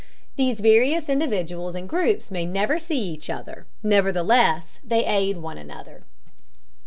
These various individuals and groups may never see each other, nevertheless they aid one another.